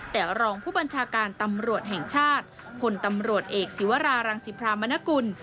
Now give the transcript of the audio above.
แต่รองผู้บัญชาการตำรวจแห่งชาติพลตำรวจเอกศิวรารังสิพรามนกุล